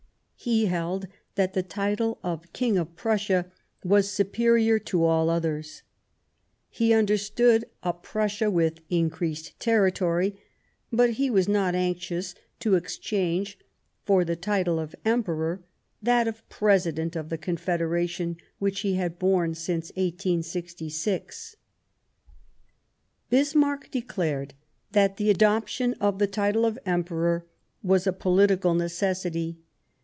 He held that the title of King of 156 The German Empire Prussia was superior to all others. He understood a Prussia with increased territory ; but he was not anxious to exchange for the title of Emperor that of President of the Confederation which he had borne since 1866. *^'^'^"^ Bismarck declared that the adoption of the title of Emperor was a political necessity.